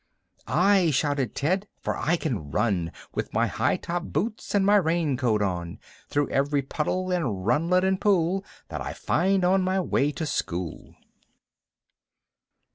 I4T »» I," shouted Ted, ''for I can run. With my high top boots and my rain coat on. Through every puddle and runlet and pool. That I find on my way to school."